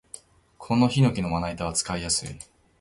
このヒノキのまな板は使いやすい